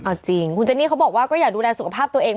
เอาจริงคุณเจนี่เขาบอกว่าก็อยากดูแลสุขภาพตัวเอง